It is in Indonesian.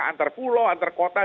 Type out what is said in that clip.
antar pulau antar kota